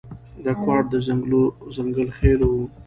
د کوهاټ د ځنګل خېلو و.